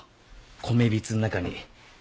米びつの中に。